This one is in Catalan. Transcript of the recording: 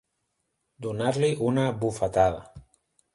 Donar-li una bufetada.